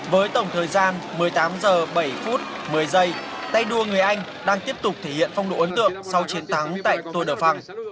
với tổng thời gian một mươi tám giờ bảy phút một mươi giây tay đua người anh đang tiếp tục thể hiện phong độ ấn tượng sau chiến thắng tại tour de france